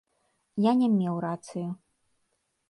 Я не меў рацыю.